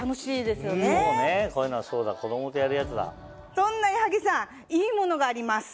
そんな矢作さんいいものがあります。